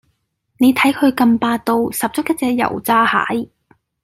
你睇佢咁霸道，十足一隻油炸蟹